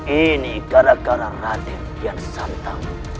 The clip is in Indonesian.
ini gara gara raden kian santang